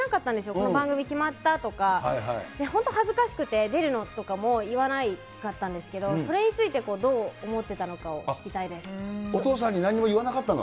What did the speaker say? この番組決まったとか、本当、恥ずかしくて出るのとかも言わなかったんですけど、それについて、お父さんになんにも言わなかったの？